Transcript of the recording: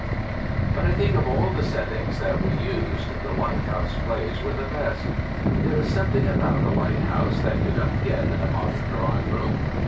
But I think of all the settings that we used, the lighthouse plays were the best. There is something about a lighthouse that you don't get in a modern drawing room.